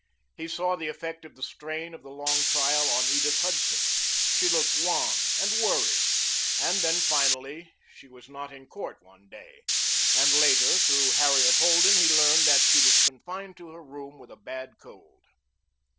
He saw the effect of the strain of the long trial on Edith Hudson. She looked wan and worried, and then finally she was not in court one day, and later, through Harriet Holden, he learned that she was confined to her room with a bad cold.